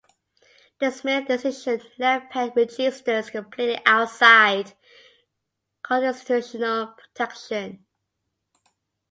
The Smith decision left pen registers completely outside constitutional protection.